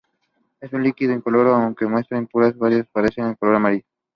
Es un líquido incoloro, aunque las muestras impuras pueden aparecer de color amarillo.